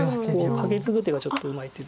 カケツグ手がちょっとうまい手で。